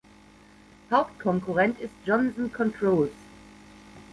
Hauptkonkurrent ist Johnson Controls.